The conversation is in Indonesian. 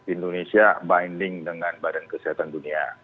indonesia binding dengan badan kesehatan dunia